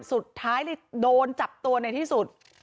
ไปท้ายหมู่บ้านสุดท้ายเลยโดนจับตัวในที่สุด